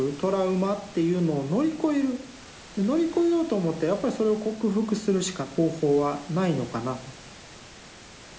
乗り越えようと思ったらやっぱりそれを克服するしか方法はないのかなと。